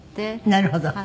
なるほど。